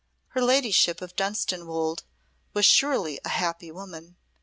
Her ladyship of Dunstanwolde was surely a happy woman.